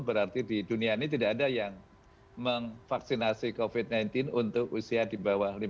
berarti di dunia ini tidak ada yang memvaksinasi covid sembilan belas untuk usia di bawah lima puluh